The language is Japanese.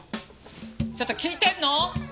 ちょっと聞いてんの！？